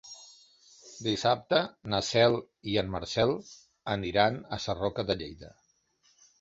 Dissabte na Cel i en Marcel aniran a Sarroca de Lleida.